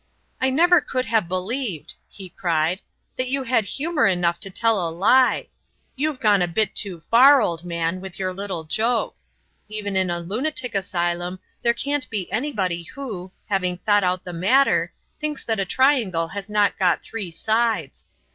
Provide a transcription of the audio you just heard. "I never could have believed," he cried, "that you had humour enough to tell a lie. You've gone a bit too far, old man, with your little joke. Even in a lunatic asylum there can't be anybody who, having thought about the matter, thinks that a triangle has not got three sides.